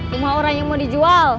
semua orang yang mau dijual